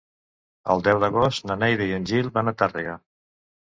El deu d'agost na Neida i en Gil van a Tàrrega.